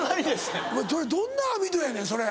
どんな網戸やねんそれ。